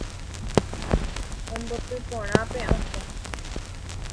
Omboty porã pe okẽ